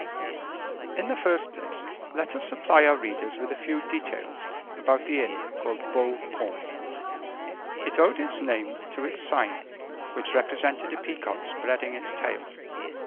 In the first place, let us supply our readers with a few details about the inn called Beau Paon. It owed its name to its sign, which represented a peacock spreading its tail.